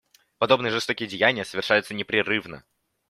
Подобные жестокие деяния совершаются непрерывно.